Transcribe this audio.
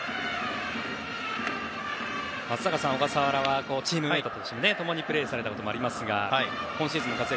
松坂さん、小笠原はチームメートとして共にプレーされたこともありますが今シーズンの活躍